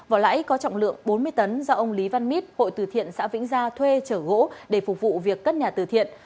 vỏ lãi có trọng lượng bốn mươi tấn do ông lý văn mít hội từ thiện xã vĩnh gia thuê chở gỗ để phục vụ việc cất nhà từ thiện